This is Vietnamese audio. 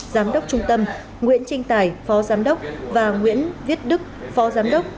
giám đốc trung tâm nguyễn tranh tài phó giám đốc và nguyễn viết đức phó giám đốc